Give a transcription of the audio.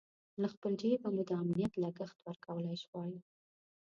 له خپل جېبه مو د امنیت لګښت ورکولای شوای.